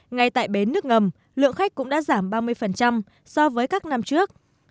ngay tại bến nước ngầm lượng khách cũng đã giảm ba mươi so với các năm trước